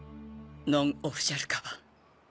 ノンオフィシャルカバー。